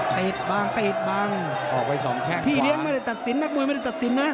ตีดบางตีดบางพี่เลี้ยงไม่ได้ตัดสินนักมวยไม่ได้ตัดสินนะ